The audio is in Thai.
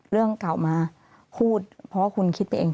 เรื่องเก่ามาพูดเพราะว่าคุณคิดไปเอง